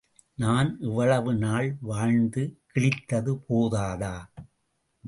நான் இவ்வளவு நாள் வாழ்ந்து கிழித்தது போதாதா?